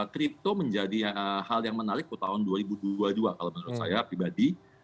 kripto menjadi hal yang menarik untuk tahun dua ribu dua puluh dua kalau menurut saya pribadi